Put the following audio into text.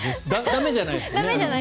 駄目じゃないですよね。